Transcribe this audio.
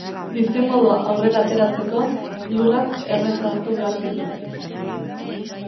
Bizimodua aurrera ateratzeko, lurrak errentan hartu behar ditu.